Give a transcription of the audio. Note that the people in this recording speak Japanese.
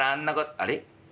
あれ？